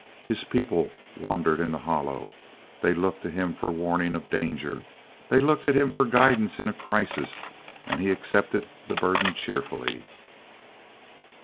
His people wandered in the hollow. They looked to him for warning of danger. They looked at him for guidance in a crisis and he accepted the burden cheerfully.